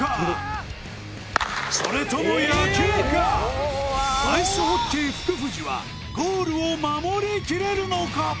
それともアイスホッケー福藤はゴールを守り切れるのか？